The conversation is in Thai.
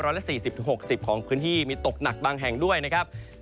ละ๔๐๖๐ของพื้นที่มีตกหนักบางแห่งด้วยนะครับ